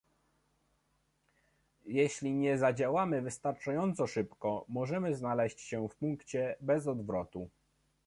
Jeśli nie zadziałamy wystarczająco szybko, możemy znaleźć się w punkcie bez odwrotu